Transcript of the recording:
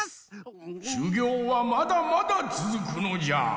しゅぎょうはまだまだつづくのじゃ！